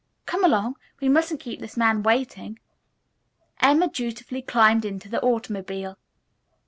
Come along. We mustn't keep this man waiting." Emma dutifully climbed into the automobile.